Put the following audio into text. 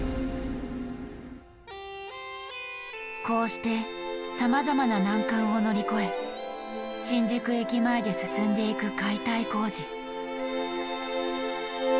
こうしてさまざまな難関を乗り越え新宿駅前で進んでいく解体工事。